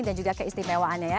dan juga keistimewaannya ya